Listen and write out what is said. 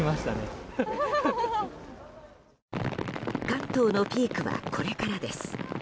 関東のピークはこれからです。